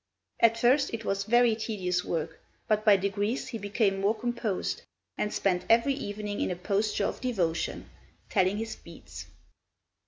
At first it was very tedious work, but by degrees he became more composed, and spent every evening in a posture of devotion, telling his beads.